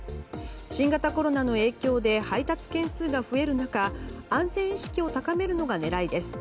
新型コロナの影響で配達件数が増える中安全意識を高めるのが狙いです。